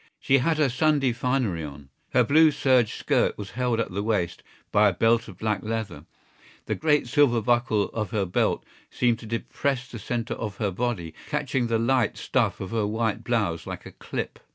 She had her Sunday finery on. Her blue serge skirt was held at the waist by a belt of black leather. The great silver buckle of her belt seemed to depress the centre of her body, catching the light stuff of her white blouse like a clip.